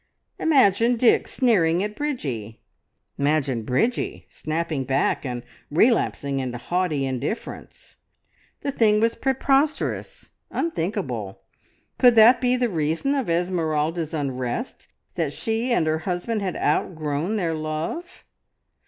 Imagine Dick sneering at Bridgie! Imagine Bridgie snapping back and relapsing into haughty indifference! The thing was preposterous, unthinkable! Could that be the reason of Esmeralda's unrest, that she and her husband had outgrown their love?